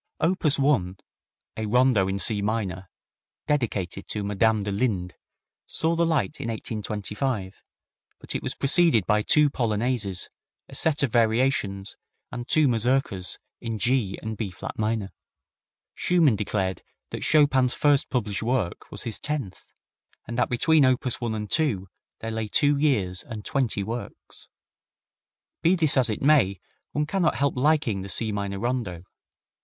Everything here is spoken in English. Opus 1, a Rondo in C minor, dedicated to Madame de Linde, saw the light in 1825, but it was preceded by two polonaises, a set of variations, and two mazurkas in G and B flat major. Schumann declared that Chopin's first published work was his tenth, and that between op. 1 and 2 there lay two years and twenty works. Be this as it may, one cannot help liking the C minor Rondo.